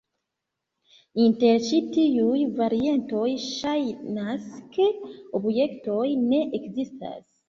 Inter ĉi tiuj variantoj ŝajnas ke objektoj ne ekzistas.